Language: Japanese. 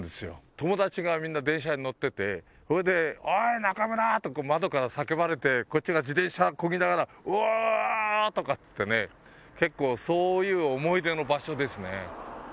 友達がみんな電車に乗っててそれで「おい中村！」とこう窓から叫ばれてこっちが自転車こぎながら「うおーっ」とかっつってね結構そういう思い出の場所ですね